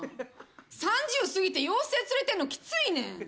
３０過ぎて妖精連れてんのきついねん！